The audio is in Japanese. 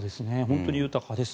本当に豊かです。